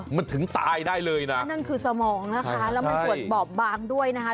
มันถึงตายได้เลยนะนั่นคือสมองนะคะแล้วมันส่วนบอบบางด้วยนะคะ